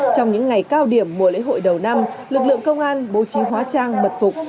trong những ngày cao điểm mùa lễ hội đầu năm lực lượng công an bố trí hóa trang mật phục